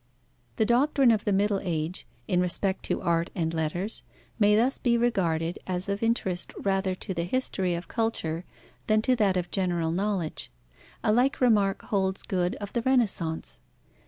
The doctrine of the Middle Age, in respect to art and letters, may thus be regarded as of interest rather to the history of culture than to that of general knowledge. A like remark holds good of the Renaissance.